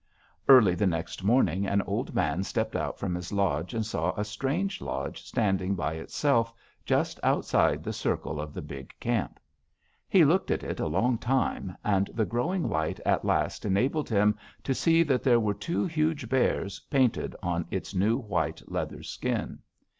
"Early the next morning an old man stepped out from his lodge, and saw a strange lodge standing by itself just outside the circle of the big camp. He looked at it a long time, and the growing light at last enabled him to see that there were two huge bears painted on its new white leather skin.